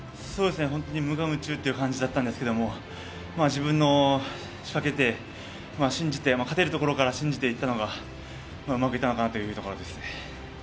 無我夢中という感じだったんですけど、自分も仕掛けて、信じて勝てるところから信じていったのがうまくいったのかなというところです。